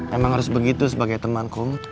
emang harus begitu sebagai teman kum